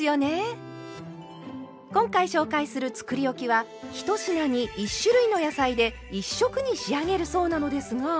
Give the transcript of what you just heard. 今回紹介するつくりおきは１品に１種類の野菜で１色に仕上げるそうなのですが。